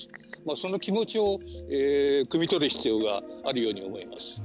その気持ちを酌みとる必要があるように思います。